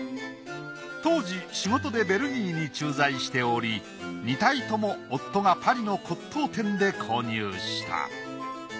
当時仕事でベルギーに駐在しており２体とも夫がパリの骨董店で購入した。